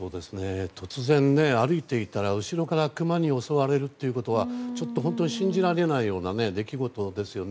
突然、歩いていたら後ろからクマに襲われるということはちょっと本当に信じられなような出来事ですよね。